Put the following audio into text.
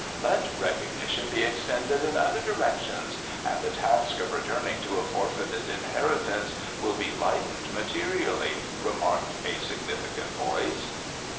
"Let recognition be extended in other directions and the task of returning to a forfeited inheritance will be lightened materially," remarked a significant voice.